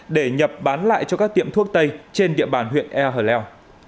để nhập bán lại cho các tiệm thuốc tây trên địa bàn huyện ea hleu